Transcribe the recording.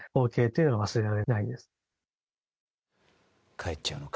帰っちゃうのか。